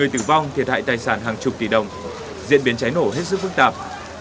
trong thiệt hại tài sản hàng chục tỷ đồng diễn biến cháy nổ hết sức phức tạp